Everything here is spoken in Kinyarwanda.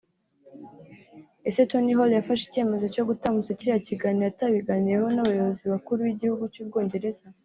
Ese Tony Hall yafashe icyemezo cyo gutambutsa kiriya kiganiro atabiganiriyeho n’abayobozi bakuru b’igihugu cy’u Bwongereza